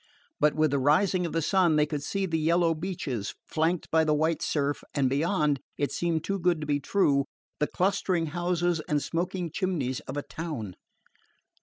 But with the rising of the sun they could see the yellow beaches, flanked by the white surf, and beyond it seemed too good to be true the clustering houses and smoking chimneys of a town.